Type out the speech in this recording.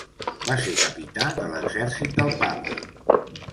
Va ser capità de l'exèrcit del Papa.